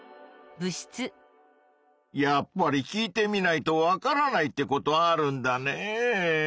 やっぱり聞いてみないとわからないってことあるんだねぇ。